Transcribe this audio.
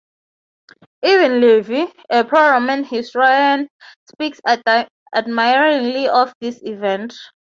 Even Livy, a pro-Roman historian, speaks admiringly of this event.